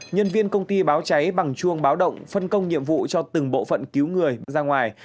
nhân viên công ty báo cháy bằng chuông báo động phân công nhiệm vụ cho từng bộ phận cứu người ra ngoài